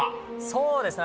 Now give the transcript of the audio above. そうですね。